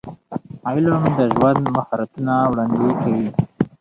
علم د ژوند مهارتونه وړاندې کوي.